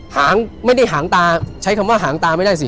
หางไม่ได้หางตาใช้คำว่าหางตาไม่ได้สิ